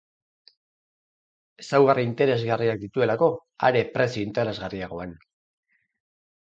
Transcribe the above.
Ezaugarri interesgarriak dituelako, are prezio interesgarriagoan.